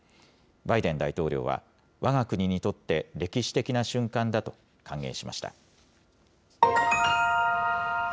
バイデン大統領は、わが国にとって歴史的な瞬間だと歓迎しました。